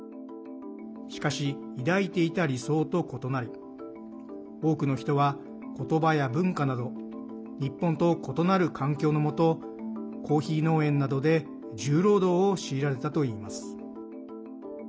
しかし、抱いていた理想と異なり多くの人は、言葉や文化など日本と異なる環境のもとコーヒー農園などで重労働を強いられたといいます。